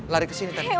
lari ke sini tadi